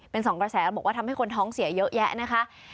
เป็นสองกระแสบอกว่าทำให้คนท้องเสียเยอะแยะนะคะ